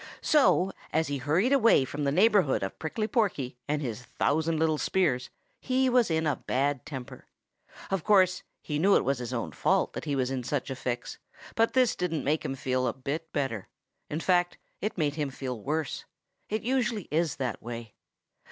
So, as he hurried away from the neighborhood of Prickly Porky and his thousand little spears, he was in a bad temper. Of course, he knew it was his own fault that he was in such a fix, and this didn't make him feel a bit better. In fact, it made him feel worse. It usually is that way.